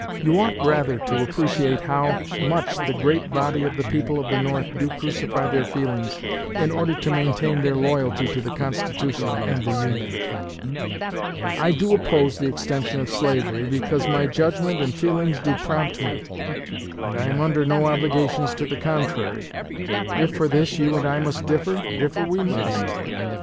You ought rather to appreciate how much the great body of the people of the North do crucify their feelings in order to maintain their loyalty to the Constitution and the Union. I do oppose the extension of slavery, because my judgment and feelings so prompt me; and I am under no obligations to the contrary. If for this you and I must differ, differ we must.